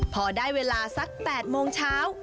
พอได้เวลาสัก๘โมงเช้า